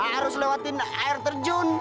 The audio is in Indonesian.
harus lewati air terjun